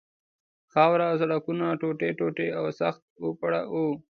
خاوره او سړکونه ټوټې ټوټې او سخت اوپړه وو.